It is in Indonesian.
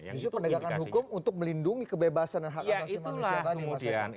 jadi pendekatan hukum untuk melindungi kebebasan dan hak asasi manusia tadi mas eko